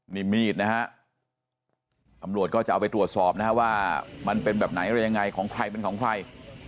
นี่มีดนะฮะตำรวจก็จะเอาไปตรวจสอบนะฮะว่ามันเป็นแบบไหนอะไรยังไงของใครเป็นของใคร